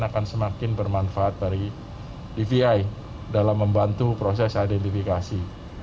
akan semakin bermanfaat dari dvi dalam membantu proses identifikasi